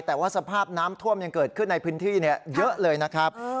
แต่ว่าสภาพน้ำท่วมยังเกิดขึ้นในพื้นที่เยอะเลยนะครับ